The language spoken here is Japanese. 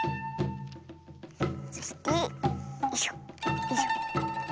そしてよいしょよいしょ。